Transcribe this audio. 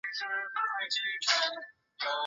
而家明与童昕纠缠不清的关系又如何了断呢？